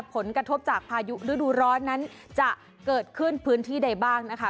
ผลกระทบจากพายุฤดูร้อนนั้นจะเกิดขึ้นพื้นที่ใดบ้างนะคะ